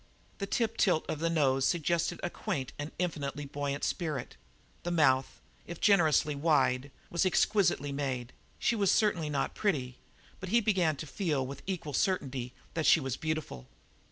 The tip tilt of the nose suggested a quaint and infinitely buoyant spirit; the mouth, if generously wide, was exquisitely made. She was certainly not pretty, but he began to feel with equal certainty that she was beautiful.